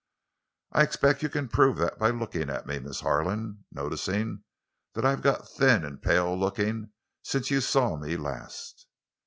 "I expect you can prove that by looking at me, Miss Harlan—noticing that I've got thin and pale looking since you saw me last?"